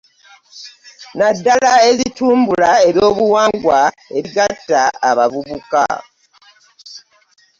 Naddala ezitumbula eby'obuwangwa ebigatta abavubuka